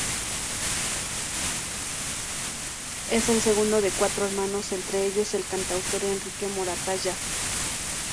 Es el segundo de cuatro hermanos, entre ellos el cantautor Enrique Moratalla.